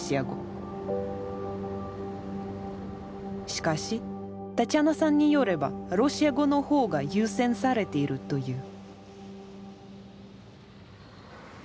しかしタッチャナさんによればロシア語の方が優先されているという。